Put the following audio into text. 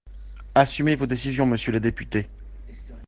Assumez vos décisions, monsieur le député